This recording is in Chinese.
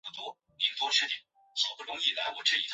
广西石笔木为山茶科石笔木属下的一个种。